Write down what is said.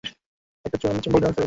একটা দণ্ড চুম্বক নিলেন ফ্যারাডে।